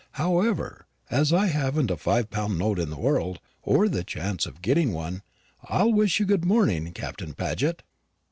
However, as I haven't a five pound note in the world, or the chance of getting one, I'll wish you good morning, Captain Paget."